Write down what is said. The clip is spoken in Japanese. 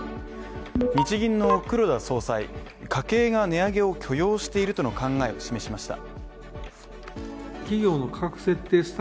日銀の黒田総裁、家計が値上げを許容しているとの考えを示しました。